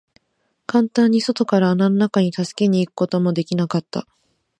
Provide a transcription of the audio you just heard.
簡単に外から穴の中に助けに行くことも出来なかった。